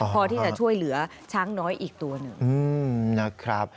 พอที่จะช่วยเหลือช้างน้อยอีกตัวหนึ่งนะครับ